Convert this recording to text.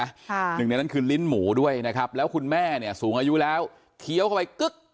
หนึ่งในนั้นคือลิ้นหมูด้วยนะครับแล้วคุณแม่เนี่ยสูงอายุแล้วเคี้ยวเข้าไปกึ๊ก